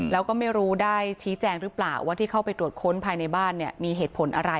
แล้วก็ไม่รู้ได้ชี้แจงหรือเปล่าว่าที่เข้าไปตรวจค้นภายในบ้านเนี่ยมีเหตุผลอะไร